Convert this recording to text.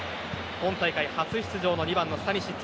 今大会初出場の２番、スタニシッチ。